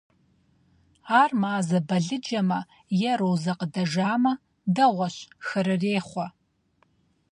Ар мазэ балыджэмэ е розэ къыдэжамэ – дэгъуэщ, хырырехъуэ.